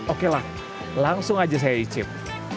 oke lah langsung aja saya icip